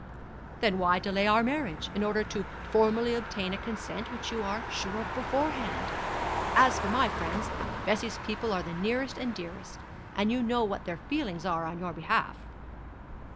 'Then why delay our marriage, in order to formally obtain a consent which you are sure of beforehand! As for my friends, Bessie's people are the nearest and dearest, and you know what their feelings are on your behalf.'